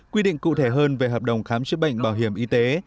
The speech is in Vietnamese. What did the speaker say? quy định cụ thể hơn về hợp đồng khám chữa bệnh bảo hiểm y tế